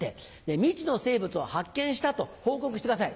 未知の生物を発見したと報告してください。